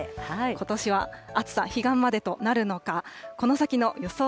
ことしは暑さ、彼岸までとなるのか、この先の予想